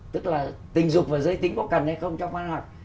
tức là tình dục và giới tính có cần hay không trong văn học